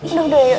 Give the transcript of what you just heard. udah udah yuk yuk